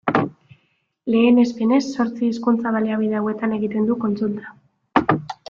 Lehenespenez, zortzi hizkuntza-baliabide hauetan egiten du kontsulta.